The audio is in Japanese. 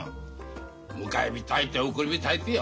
迎え火たいて送り火たいてよ